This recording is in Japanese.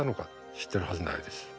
知ってるはずないです。